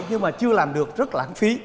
nhưng mà chưa làm được rất là lãng phí